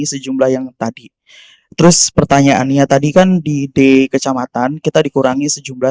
sejumlah yang tadi terus pertanyaannya tadi kan di d kecamatan kita dikurangi sejumlah